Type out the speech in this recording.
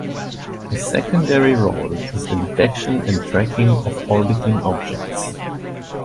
A secondary role is the detection and tracking of orbiting objects.